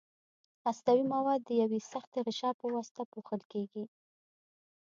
هستوي مواد د یوې سختې غشا په واسطه پوښل کیږي.